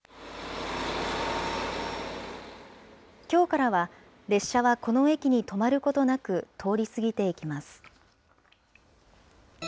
きょうからは、列車はこの駅に止まることなく通り過ぎていきます。